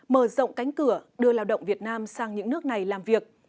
mở rộng cánh cửa đưa lao động việt nam sang những nước này làm việc